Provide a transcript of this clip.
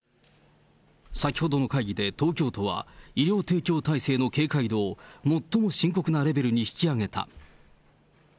先ほどの会議で東京都は、医療提供体制の警戒度を、最も深刻なレベルに引き上げた。